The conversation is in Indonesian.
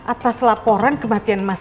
atas laporan kematian mas